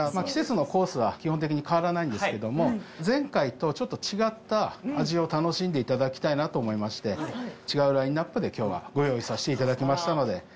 季節のコースは基本的に変わらないんですけども前回とちょっと違った味を楽しんでいただきたいなと思いまして違うラインアップで今日はご用意させていただきましたので。